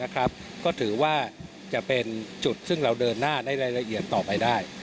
ก็ถือว่าจะเป็นจุดซึ่งเราเดินหน้าในรายละเอียดต่อไปได้